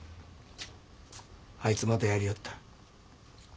あいつまたやりよった。